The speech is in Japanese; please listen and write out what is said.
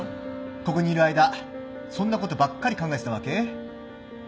ここにいる間そんなことばっかり考えてたわけ？